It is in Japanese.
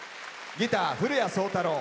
ギター、古屋創太郎。